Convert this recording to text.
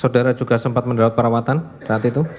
saudara juga sempat mendapat perawatan saat itu